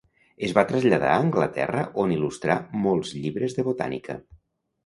Es va traslladar a Anglaterra on il·lustrà molts llibres de botànica.